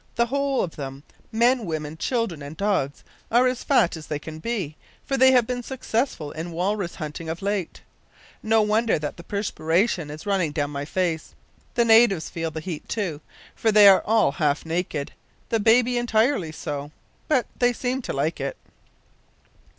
The whole of them men, women, children, and dogs, are as fat as they can be, for they have been successful in walrus hunting of late. No wonder that the perspiration is running down my face! The natives feel the heat, too, for they are all half naked the baby entirely so; but they seem to like it!